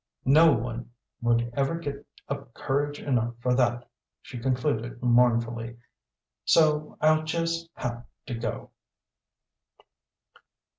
"No one would ever get up courage enough for that," she concluded mournfully, "so I'll just have to go."